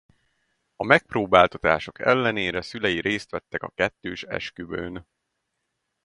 A megpróbáltatások ellenére szülei részt vettek a kettős esküvőn.